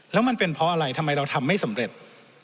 แล้วมันเป็นเพราะอะไรทำไมเราทำไม่สำเร็จ